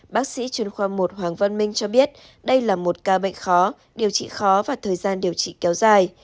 bác sĩ chuyên khoa một hoàng văn minh cho biết đây là một ca bệnh khó điều trị khó và thời gian điều trị kéo dài